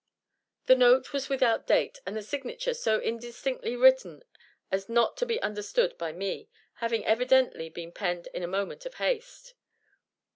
The note was without date, and the signature so indistinctly written as not to be understood by me, having evidently been penned in a moment of haste.